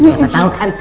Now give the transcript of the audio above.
siapa tahu kan